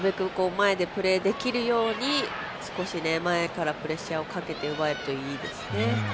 前でプレーできるように少し前からプレッシャーをかけて奪えるといいですね。